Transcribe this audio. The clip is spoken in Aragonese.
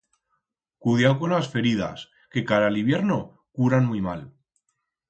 Cudiau con las feridas, que cara l'hibierno curan muit mal.